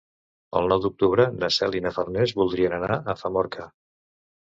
El nou d'octubre na Cel i na Farners voldrien anar a Famorca.